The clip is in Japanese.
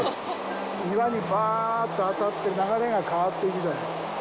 岩にパァッと当たって流れが変わっていくじゃない。